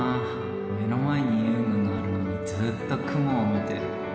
目の前に遊具があるのに、ずっと雲を見ている。